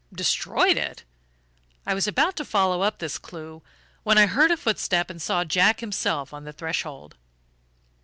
"Destroyed it?" I was about to follow up this clue when I heard a footstep and saw Jack himself on the threshold.